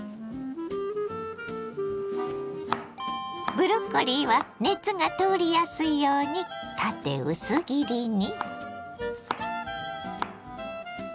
ブロッコリーは熱が通りやすいように縦薄切りに。